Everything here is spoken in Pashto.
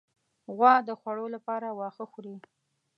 غوا د خوړو لپاره واښه خوري.